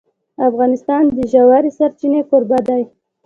افغانستان د ژورې سرچینې کوربه دی.